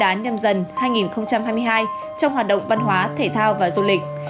tết nguyên đán năm dần hai nghìn hai mươi hai trong hoạt động văn hóa thể thao và du lịch